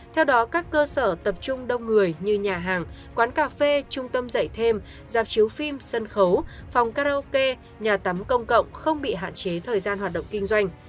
theo đó các cơ sở tập trung đông người như nhà hàng quán cà phê trung tâm dạy thêm giạp chiếu phim sân khấu phòng karaoke nhà tắm công cộng không bị hạn chế thời gian hoạt động kinh doanh